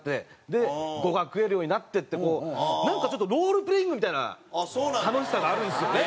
で５が食えるようになってってこうなんかちょっとロールプレイングみたいな楽しさがあるんですよね。